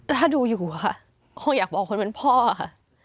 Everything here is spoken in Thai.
ถ้าดูอยู่ค่ะคงอยากบอกคนเป็นพ่อค่ะ